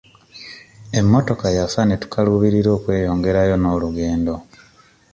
Emmotoka yafa ne tukaluubirirwa okweyongerayo n'olugendo.